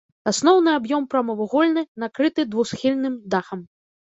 Асноўны аб'ём прамавугольны, накрыты двухсхільным дахам.